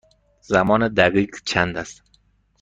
زمان دقیق چند است؟